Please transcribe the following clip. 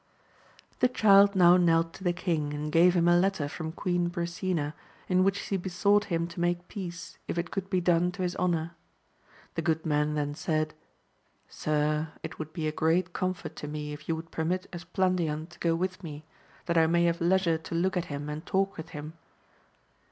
The child now knelt to the king, and gave him a letter from Queen Brisena, in which she besought him to make peace, if it could be done to his honour. The good man then said, Sir, it would be a great com fort to me if you would permit Esplandian to go with me, that I may have leisure to look at him and talk with him.